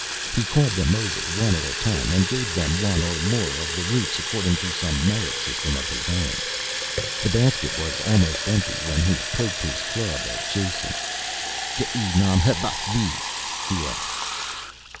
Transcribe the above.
He called them over one at a time and gave them one or more of the roots according to some merit system of his own. The basket was almost empty when he poked his club at Jason. "K'e nam h'vas vi?" he asked.